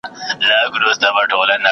د غوايي په څېر به ټوله ورځ کړېږي